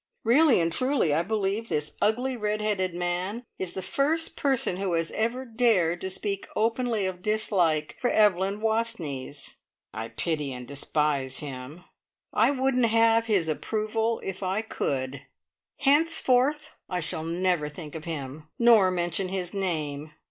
Really and truly, I believe this ugly, red headed man is the first person who has ever dared to speak openly of dislike for Evelyn Wastneys! I pity and despise him. I wouldn't have his approval if I could. Henceforth I shall never think of him, nor mention his name.